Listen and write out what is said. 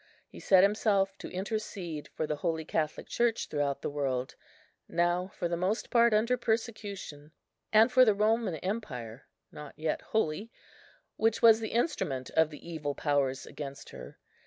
He set himself to intercede for the Holy Catholic Church throughout the world, now for the most part under persecution, and for the Roman Empire, not yet holy, which was the instrument of the evil powers against her.